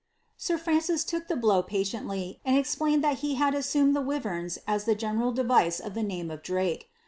^ Sir Francis took the blow patiently, and explained that be had assumed the wiverns as the general device of the name of Drake.